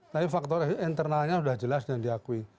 tapi faktor internalnya sudah jelas dan diakui